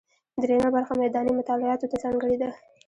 درېیمه برخه میداني مطالعاتو ته ځانګړې ده.